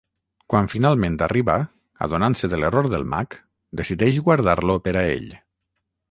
Quan finalment arriba, adonant-se de l'error del mag, decideix guardar-lo per a ell.